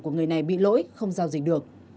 của người này bị lỗi không giao dịch được